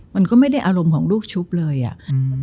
มันก็ไม่ได้อารมณ์ของลูกชุบเลยอ่ะอืม